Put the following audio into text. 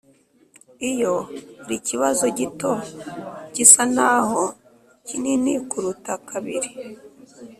iyo buri kibazo gito gisa naho kinini kuruta kabiri,